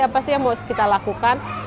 apa sih yang harus kita lakukan